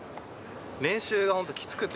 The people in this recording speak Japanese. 練習が本当きつくて。